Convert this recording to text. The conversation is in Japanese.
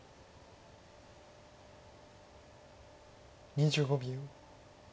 ２５秒。